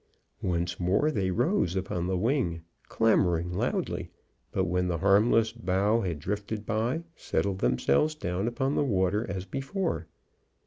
Once more they rose upon the wing, clamouring loudly, but when the harmless bough had drifted by, settled themselves down upon the water as before.